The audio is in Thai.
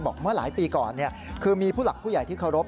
เมื่อหลายปีก่อนคือมีผู้หลักผู้ใหญ่ที่เคารพ